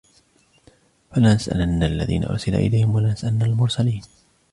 فلنسألن الذين أرسل إليهم ولنسألن المرسلين